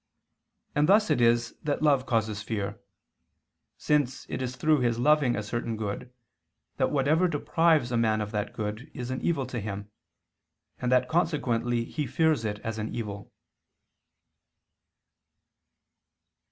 And thus it is that love causes fear: since it is through his loving a certain good, that whatever deprives a man of that good is an evil to him, and that consequently he fears it as an evil.